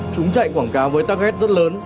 chúng chạy quảng cáo với target rất lớn